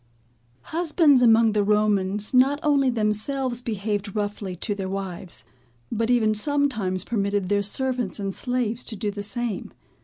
Husbands among the Romans not only themselves behaved roughly to their wives, but even sometimes permitted their servants and slaves to do the same.